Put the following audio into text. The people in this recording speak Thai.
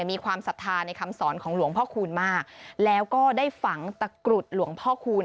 มีความศรัทธาในคำสอนของหลวงพ่อคูณมากแล้วก็ได้ฝังตะกรุดหลวงพ่อคูณ